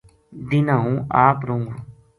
دینہا ہوں آپ رہوں گو